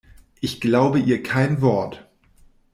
Ich glaube ihr kein Wort.